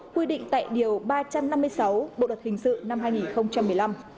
quy định tại điều ba trăm năm mươi sáu bộ luật hình sự năm hai nghìn một mươi năm